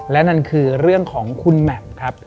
และนั่นคือเรื่องของคุณแหม่มครับ